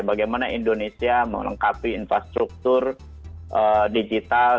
bagaimana indonesia melengkapi infrastruktur digital